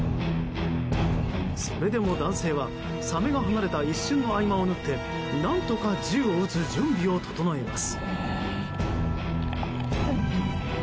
それでも男性はサメが離れた一瞬の合間を縫って何とか銃を撃つ準備を整えます。